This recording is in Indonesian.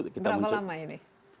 berapa lama ini